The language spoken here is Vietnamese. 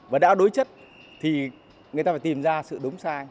và đã đối chất thì người ta phải tìm ra sự đúng sai